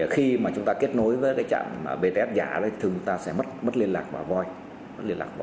khi chúng ta kết nối với trạm bts giả thường chúng ta sẽ mất liên lạc và void